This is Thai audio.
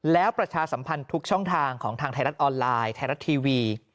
แล้วประชาสัมพันธ์ทุกช่องทางของทางไทยรัฐออนไลน์ไทยรัฐทีวี